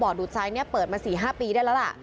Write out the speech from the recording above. บ่อดดูดทรายเปิดมา๔๕ปีได้แล้วล่ะ